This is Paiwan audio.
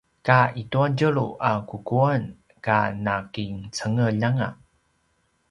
ka i tua tjelu a kukuan ka nakincengeljanga